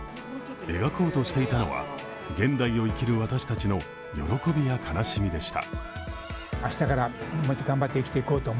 描こうとしていたのは現代を生きる私たちの喜びや悲しみでした。